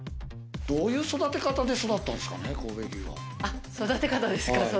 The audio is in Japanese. どういう育て方で育ったんですか？